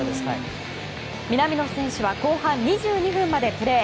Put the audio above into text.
南野選手は後半２２分までプレー。